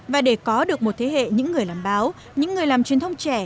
và để có được một thế hệ những người làm báo những người làm truyền thông trẻ